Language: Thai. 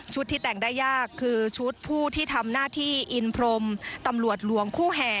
ที่แต่งได้ยากคือชุดผู้ที่ทำหน้าที่อินพรมตำรวจหลวงคู่แห่